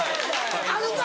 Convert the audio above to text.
あるか！